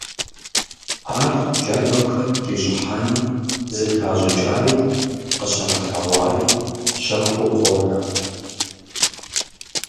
Ар джабэм хэт трищӀыхьами, зытращӀыкӀари къыщыгъэлъэгъуари щэхуу къонэ.